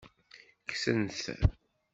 Kksen-t.